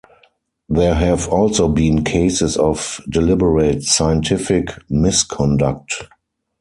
There have also been cases of deliberate scientific misconduct.